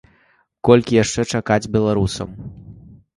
Колькі яшчэ чакаць беларусам?